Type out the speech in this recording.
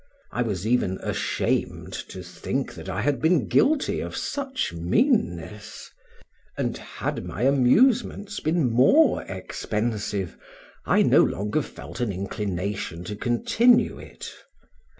I was even ashamed to think that I had been guilty of such meanness; and had my amusements been more expensive, I no longer felt an inclination to continue it.